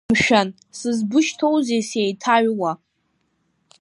Мшәан, сызбышьҭоузеи сеиҭаҩуа?!